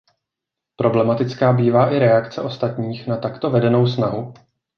Problematická bývá i reakce ostatních na takto vedenou snahu.